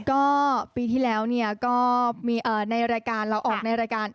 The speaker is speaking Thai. ก็ปีที่แล้วก็มีในรายการเราออกในรายการ